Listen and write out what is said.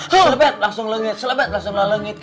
selebet langsung lengit selebet langsung lah lengit